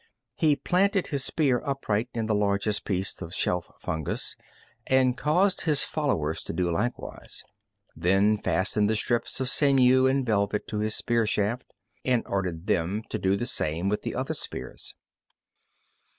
He planted his spear upright in the largest piece of shelf fungus and caused his followers to do likewise, then fastened the strips of sinew and velvet to his spear shaft, and ordered them to do the same to the other spears.